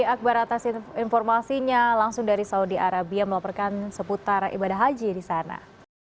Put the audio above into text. akbar atas informasinya langsung dari saudi arabia melaporkan seputar ibadah haji di sana